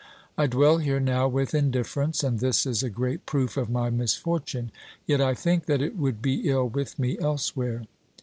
I dwell here now with indifference, and this is a great proof of my misfortune, yet I think that it would be ill with me elsewhere.